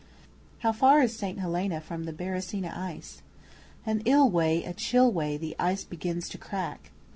How far is St Helena from the Beresina ice? An ill way a chill way the ice begins to crack.